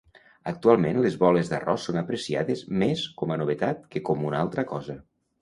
Actualment les boles d'arròs són apreciades més com a novetat que com una altra cosa.